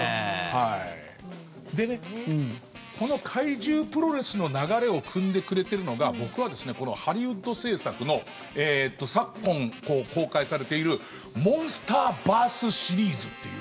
でね、この怪獣プロレスの流れをくんでくれてるのが僕は、このハリウッド制作の昨今、公開されている「モンスターバース」シリーズっていう。